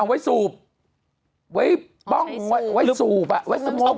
เอาไว้สูบไว้ป้องไว้สูบไว้สโมก